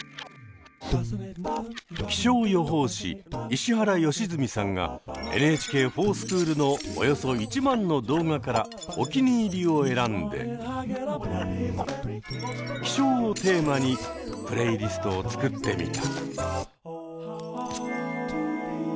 気象予報士石原良純さんが「ＮＨＫｆｏｒＳｃｈｏｏｌ」のおよそ１万の動画からおきにいりを選んで「気象」をテーマにプレイリストを作ってみた。